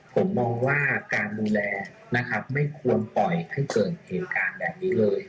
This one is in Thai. ผมมองว่าการดูแลนะครับไม่ควรปล่อยให้เกิดเหตุการณ์แบบนี้เลย